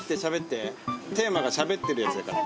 テーマがしゃべってるやつやから。